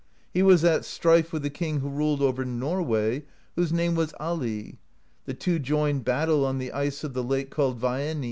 He was at strife with the king who ruled over Norway, whose name was Ali ; the two joined battle on the ice of the lake called Vaeni.